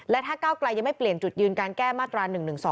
และถ้าก้าวไกลยังไม่เปลี่ยนจุดยืนการแก้มาตรา๑๑๒